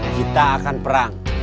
kita akan perang